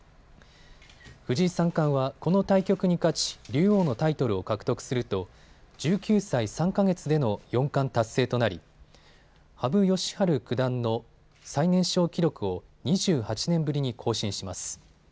藤井三冠はこの対局に勝ち竜王のタイトルを獲得すると１９歳３か月での四冠達成となり羽生善治九段の最年少記録を２８年ぶりに更新します。